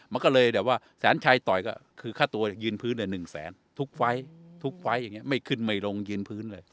มันก็เลยแบบว่าแสนชัยต่อยก็คือฆ่าตัวยืนพื้น๑แสนทุกไฟท์ไม่ขึ้นไม่ลงยืนพื้นเลย